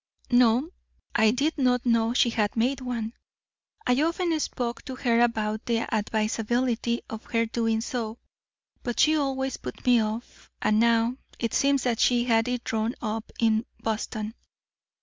"No. I did not know she had made one. I often spoke to her about the advisability of her doing so, but she always put me off. And now it seems that she had it drawn up in Boston.